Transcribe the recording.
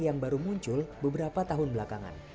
yang baru muncul beberapa tahun belakangan